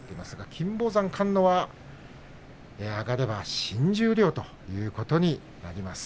金峰山は上がりますと新十両ということになります。